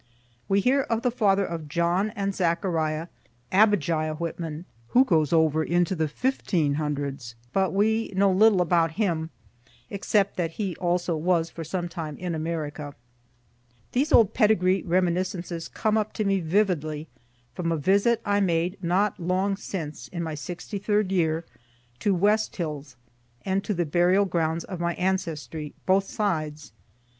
We hear of the father of John and Zechariah, Abijah Whitman, who goes over into the 1500's, but we know little about him, except that he also was for some time in America. These old pedigree reminiscences come up to me vividly from a visit I made not long since (in my 63d year) to West Hills, and to the burial grounds of my ancestry, both sides.